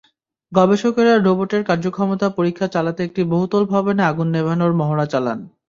গবেষকেরা রোবটের কার্যক্ষমতা পরীক্ষা চালাতে একটি বহুতল ভবনে আগুন নেভানোর মহড়া চালান।